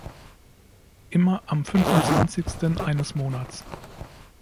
Immer am fünfundzwanzigsten eines Monats.